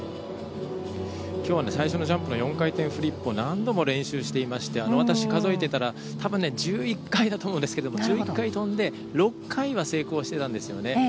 今日は最初のジャンプの４回転フリップを何度も練習していまして私、数えていたら多分、１１回跳んで６回は成功していたんですよね。